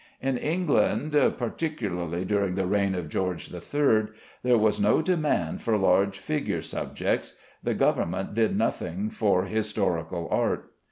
In England, particularly during the reign of George III, there was no demand for large figure subjects. The government did nothing for historical art.